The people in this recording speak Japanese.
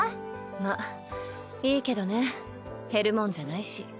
まっいいけどね減るもんじゃないし。